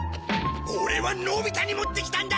オレはのび太に持ってきたんだ！